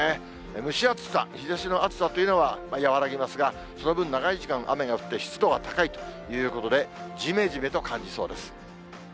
蒸し暑さ、日ざしの暑さというのは和らぎますが、その分、長い時間、雨が降って、湿度は高いということで、じめじめと感じそうです。